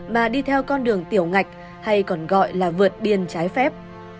mà đi theo con đường tiểu ngạch hay còn gọi là vượt biên trái phép